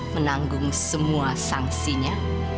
menanggung semua sanksinya